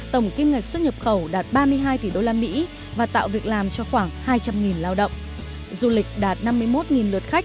tổng kim ngạch xuất nhập khẩu đạt ba mươi hai tỷ đô la mỹ và tạo việc làm cho khoảng hai trăm linh lao động